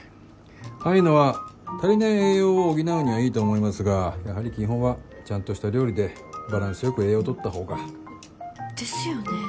ああいうのは足りない栄養を補うにはいいと思いますがやはり基本はちゃんとした料理でバランス良く栄養を取った方が。ですよね。